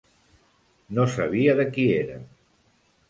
No sabia de qui era.